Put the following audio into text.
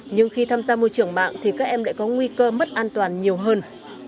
nhưng khi tham gia môi trường mạng thì các em lại có nguy cơ mất an toàn nhiều hơn